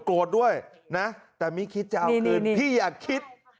โกรธด้วยนะแต่มีคิดจะเอาคืนพี่อยากคิด